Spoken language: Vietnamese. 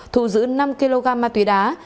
thu giữ năm kg ma túy đá